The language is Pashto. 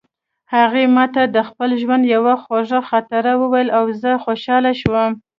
هغې ما ته د خپل ژوند یوه خوږه خاطره وویله او زه خوشحاله شوم